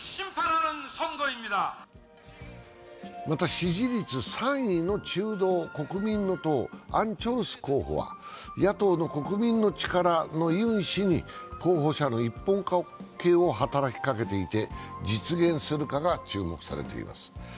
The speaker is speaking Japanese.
また支持率３位の中道、国民の党、アン・チョルス候補は野党の国民の力のユン氏に候補者の一本化を働きかけていて実現するかが注目されています。